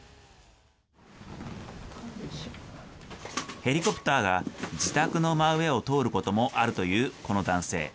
ヘリコプターが自宅の真上を通ることもあるというこの男性。